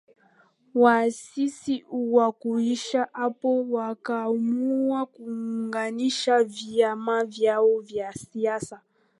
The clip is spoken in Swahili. Waasisi hawakuishia hapo wakaamua kuunganisha vyama vyao vya siasa